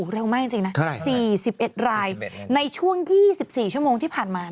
เร็วมากจริงนะ๔๑รายในช่วง๒๔ชั่วโมงที่ผ่านมา